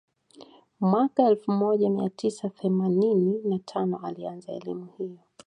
mwaka elfu moja mia tisa theemanini na tano alianza elimu hiyo